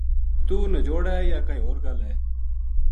توہ نجوڑ ہے یا کائے ہو ر گل ہے